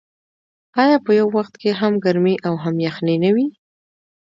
آیا په یو وخت کې هم ګرمي او هم یخني نه وي؟